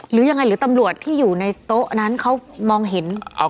หรือยังไงหรือตำรวจที่อยู่ในโต๊ะนั้นเขามองเห็น